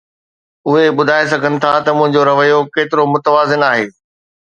اهي ٻڌائي سگهن ٿا ته منهنجو رويو ڪيترو متوازن آهي.